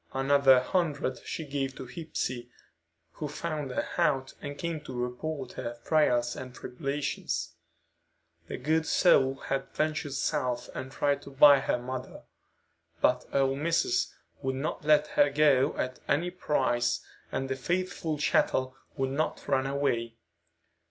Another hundred she gave to Hepsey, who found her out and came to report her trials and tribulations. The good soul had ventured South and tried to buy her mother. But "ole missis" would not let her go at any price, and the faithful chattel would not run away.